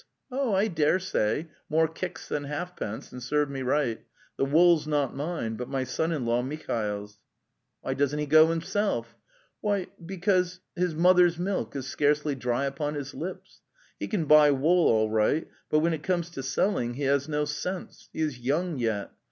"' '"Oh, I dare say! More kicks than halfpence, and serve me right. [he wool's not mine, but my son in law Mihail's! "'" Why doesn't he go himself? " Wihty,) \ibecause)4)\ i Edis\\ mother's) mailkiias scarcely dry upon his lips. He can buy wool all right, but when it comes to selling, he has no sense; he is young yet.